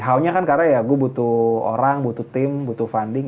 how nya kan karena ya gue butuh orang butuh tim butuh funding